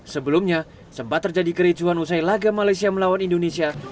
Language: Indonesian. sebelumnya sempat terjadi kericuan usai laga malaysia melawan indonesia